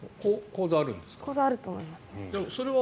口座あると思います。